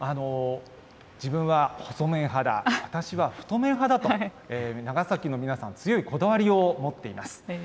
自分は細麺派だ、私は太麺派だと、長崎の皆さん、強いこだわりを持っています。